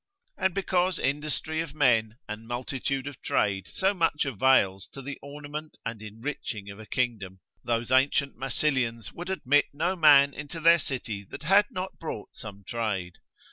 And because industry of men, and multitude of trade so much avails to the ornament and enriching of a kingdom; those ancient Massilians would admit no man into their city that had not some trade.